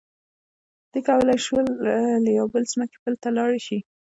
دوی کولی شول له یوې ځمکې بلې ته لاړ شي.